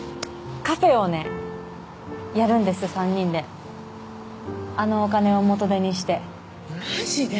カフェをねやるんです３人であのお金を元手にしてマジで？